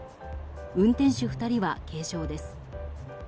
運転手２人は軽傷です。